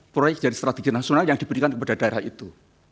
proyek jadi strategi nasional yang diberikan kepada daerah itu